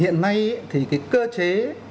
hiện nay thì cái cơ chế